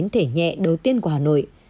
thể nhẹ đầu tiên của hà nội